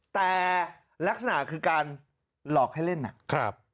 แต่ลักษณะคือการหลอกให้เล่นนะครับ